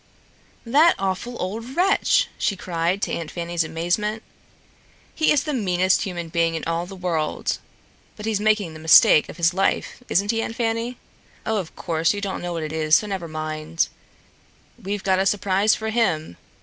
"That awful old wretch!" she cried, to Aunt Fanny's amazement. "He is the meanest human being in all the world. But he's making the mistake of his life, isn't he, Aunt Fanny? Oh, of course you don't know what it is, so never mind. We've got a surprise for him.